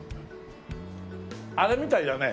あれみたいだね。